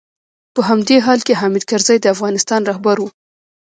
په همدې حال کې حامد کرزی د افغانستان رهبر و.